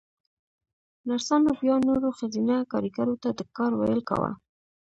نرسانو بيا نورو ښځينه کاريګرو ته د کار ويل کاوه.